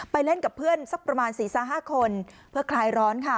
เล่นกับเพื่อนสักประมาณ๔๕คนเพื่อคลายร้อนค่ะ